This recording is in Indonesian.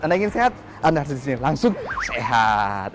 anda ingin sehat anda harus disini langsung sehat